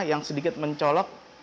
yang sedikit mencolok